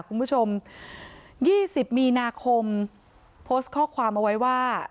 คุณผู้ชมยี่สิบมีนาคมงดข้อกความเอาไว้ว่า